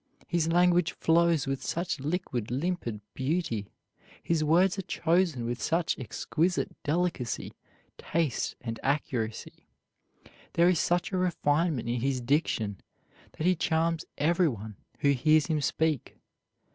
His language flows with such liquid, limpid beauty, his words are chosen with such exquisite delicacy, taste, and accuracy, there is such a refinement in his diction that he charms everyone who hears him speak.